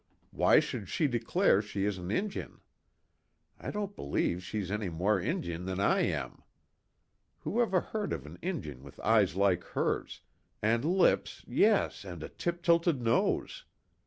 Why should she declare she is an Injun? I don't believe she's any more Injun than I am. Who ever heard of an Injun with eyes like hers, and lips, yes, and a tip tilted nose?